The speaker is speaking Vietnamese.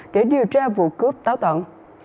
để điều tra vụ cướp táo tận